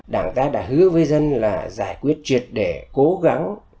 đảng ta đã hứa với dân là giải quyết triệt để cố gắng